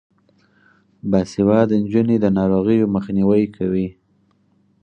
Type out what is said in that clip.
باسواده نجونې د ناروغیو مخنیوی کوي.